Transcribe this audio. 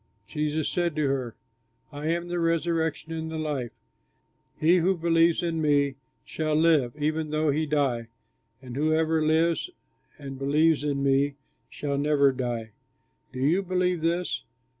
Jesus said to her, "I am the resurrection and the life. He who believes in me shall live even though he die; and whoever lives and believes in me shall never die. Do you believe this?"